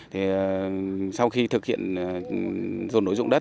thì sau khi thực hiện dồn đổi dụng đất